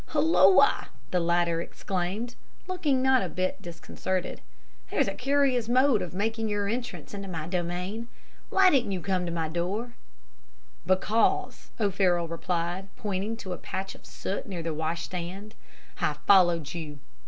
"'Hulloa!' the latter exclaimed, looking not a bit disconcerted, 'that's a curious mode of making your entrance into my domain! Why didn't you come by the door?' "'Because,' O'Farroll replied, pointing to a patch of soot near the washstand, 'I followed you.